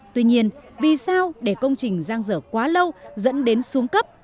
tuy nhiên vì sao để công trình giang dở quá lâu dẫn đến xuống cấp